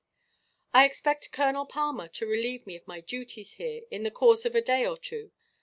"I expect Colonel Palmer to relieve me of my duties here, in the course of a day or two.